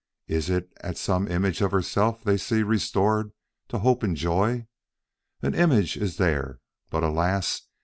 Is it at some image of herself they see restored to hope and joy? An image is there, but alas!